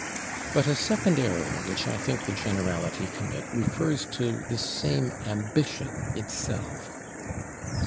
But a second error which I think the generality commit refers to this same "ambition" itself.